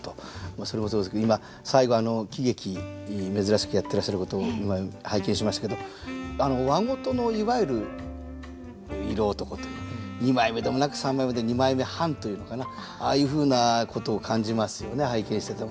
それもそうですけど今最後喜劇珍しくやってらっしゃることを今拝見しましたけど和事のいわゆる色男という二枚目でもなく三枚目で二枚目半というのかなああいうふうなことを感じますよね拝見してても。